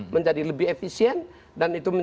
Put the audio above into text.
menjadi lebih efisien dan itu